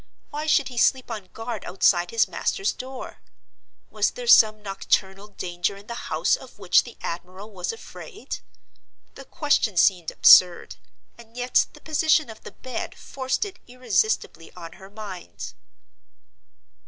Why should he sleep on guard outside his master's door? Was there some nocturnal danger in the house of which the admiral was afraid? The question seemed absurd, and yet the position of the bed forced it irresistibly on her mind.